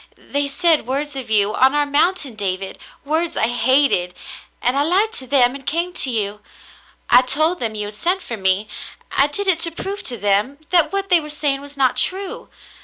They said words of you, — on our mountain, David, — words I hated ; and I lied to them and came to you. I told them you had sent for me. I did it to prove to them that what they were saying was not true.